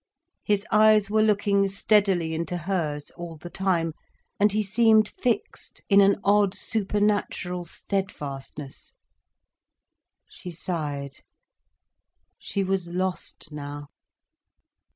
His eyes were looking steadily into hers all the time, and he seemed fixed in an odd supernatural steadfastness. She sighed. She was lost now.